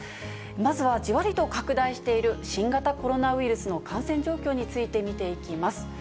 まずはじわりと拡大している新型コロナウイルスの感染状況について見ていきます。